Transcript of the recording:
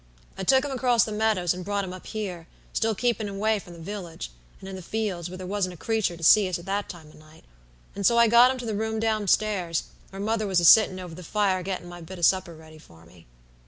I took him across the meadows, and brought him up here, still keepin' away from the village, and in the fields, where there wasn't a creature to see us at that time o' night; and so I got him into the room down stairs, where mother was a sittin' over the fire gettin' my bit o' supper ready for me.